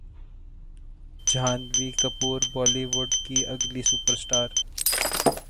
جھانوی کپور بولی وڈ کی اگلی سپر اسٹار